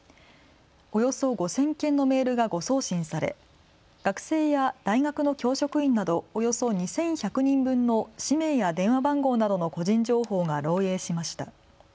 およそ５０００件のメールが誤送信され学生や大学の教職員などおよそ２１００人分の氏名や電話番号などの個人情報が漏えいしました。